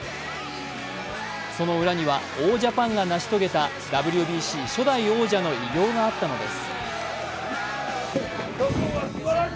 その裏には王ジャパンが成し遂げたＷＢＣ初代王者の偉業があったのです。